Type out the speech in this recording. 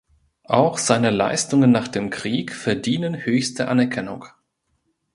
Auch seine Leistungen nach dem Krieg verdienen höchste Anerkennung.